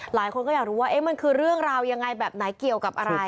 หลายคนก็อยากรู้ว่ามันคือเรื่องราวยังไงแบบไหนเกี่ยวกับอะไร